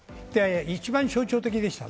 一番象徴的でした。